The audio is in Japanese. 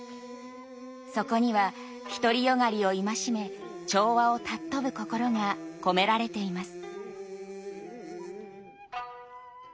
そこには独り善がりを戒め調和を尊ぶ心が込められています。